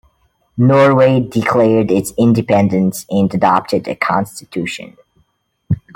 Norway declared its independence and adopted a constitution.